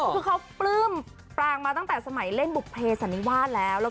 คือเขาปลื้มปรางมาตั้งแต่สมัยเล่นบุภเพสันนิวาสแล้ว